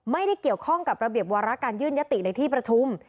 ไม่ได้เกี่ยวข้องกับระเบียบวาระการยื่นยติในที่ประชุม